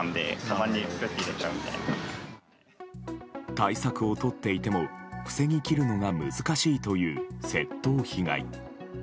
対策をとっていても防ぎきるのが難しいという窃盗被害。